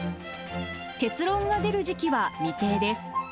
結論が出る時期は未定です。